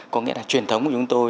có nghĩa là truyền thống của chúng tôi